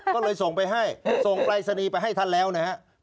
ก็เลยส่งไปให้ส่งปรายศนีย์ไปให้ท่านแล้วนะฮะ